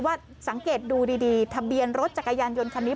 ว่าสังเกตดูดีทะเบียนรถจักรยานยนต์คันนี้